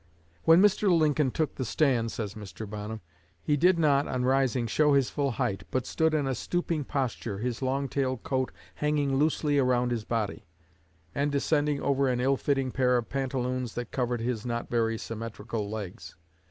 "When Mr. Lincoln took the stand," says Mr. Bonham, "he did not, on rising, show his full height, but stood in a stooping posture, his long tailed coat hanging loosely around his body, and descending over an ill fitting pair of pantaloons that covered his not very symmetrical legs.